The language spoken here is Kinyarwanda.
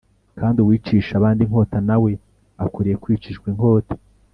kandi uwicisha abandi inkota na we akwiriye kwicishwa inkota.